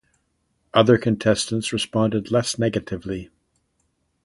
Other contestants responded less negatively.